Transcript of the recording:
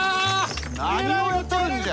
何をやっとるんじゃ！